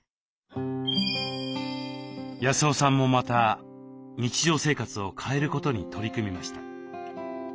康雄さんもまた日常生活を変えることに取り組みました。